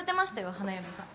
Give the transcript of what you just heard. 花嫁さん。